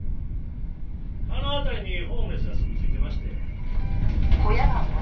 あの辺りにホームレスが住み着いてまして。